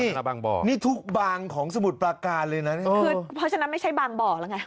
มาบางบ่อนี่ทุกบางของสมุทรปราการเลยนะเนี่ยคือเพราะฉะนั้นไม่ใช่บางบ่อแล้วไง